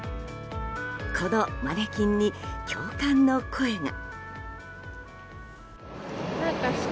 このマネキンに共感の声が。